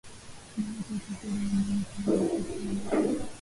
na hata usafiri wa ndege kama maofisini ita